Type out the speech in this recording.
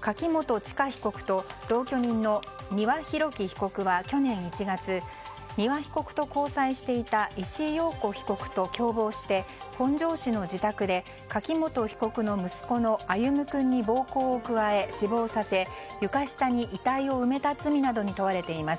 柿本知香被告と同居人の丹羽洋樹被告は去年１月丹羽被告と交際していた石井陽子被告と共謀して本庄市の自宅で柿本被告の息子の歩夢君に暴行を加え、死亡させ床下に遺体を埋めた罪などに問われています。